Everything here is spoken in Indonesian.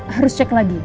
harus cek lagi